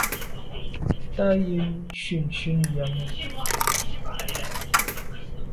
Tàa yen shunshun yàme.